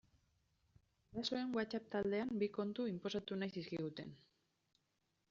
Gurasoen WhatsApp taldean bi kontu inposatu nahi zizkiguten.